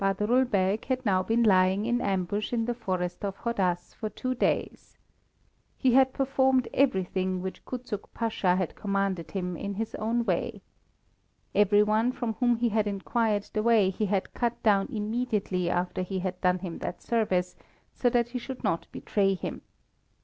Badrul Beg had now been lying in ambush in the forest of Hadház for two days. He had performed everything which Kuczuk Pasha had commanded him in his own way. Every one from whom he had inquired the way he had cut down immediately after he had done him that service, so that he should not betray him.